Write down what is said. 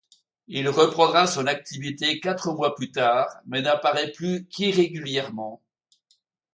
Il reprendra son activité quatre mois plus tard mais n'apparaît plus qu'irrégulièrement.